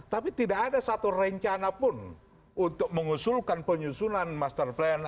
tapi tidak ada satu rencana pun untuk mengusulkan penyusunan master plan